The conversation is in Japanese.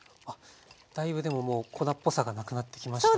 だいぶでももう粉っぽさがなくなってきましたね。